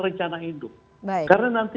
rencana induk karena nanti